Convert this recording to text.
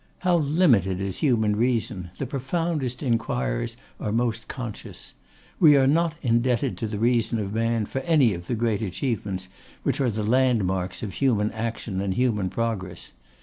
How limited is human reason, the profoundest inquirers are most conscious. We are not indebted to the Reason of man for any of the great achievements which are the landmarks of human action and human progress.